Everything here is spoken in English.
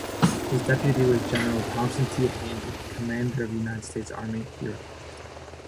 His deputy was General Thomas T. Handy, commander of United States Army, Europe.